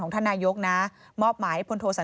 ก็เลยบอกว่าช่วยลูกหนูก่อน